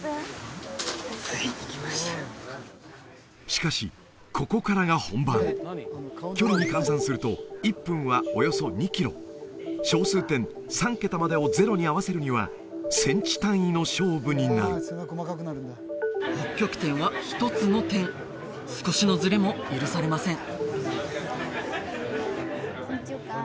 しかしここからが本番距離に換算すると小数点３桁までを０に合わせるにはセンチ単位の勝負になる北極点は１つの点少しのズレも許されません